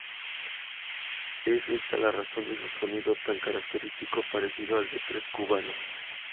Es esta la razón de su sonido tan característico, parecido al del tres cubano.